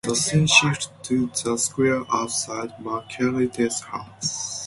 The scene shifts to the square outside Marguerite's house.